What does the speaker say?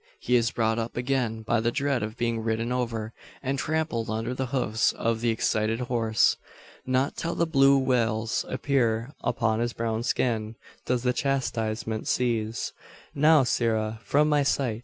He is brought up again by the dread of being ridden over, and trampled under the hoofs of the excited horse. Not till the blue wheals appear upon his brown skin, does the chastisement cease. "Now, sirrah; from my sight!